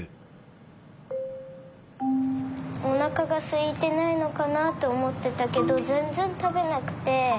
おなかがすいてないのかなとおもってたけどぜんぜんたべなくて。